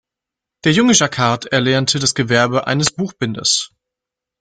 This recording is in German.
Der junge Jacquard erlernte das Gewerbe eines Buchbinders.